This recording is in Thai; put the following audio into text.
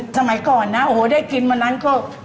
สมัยก่อนนะโอ้โหได้กินวันนั้นก็